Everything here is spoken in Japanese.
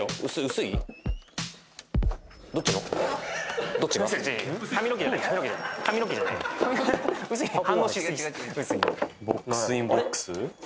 薄いにボックスインボックス？